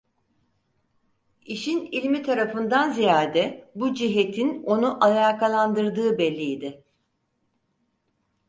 İşin ilmi tarafından ziyade bu cihetin onu alakalandırdığı belli idi.